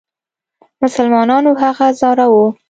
مسلمانانو هغه ځوراوه.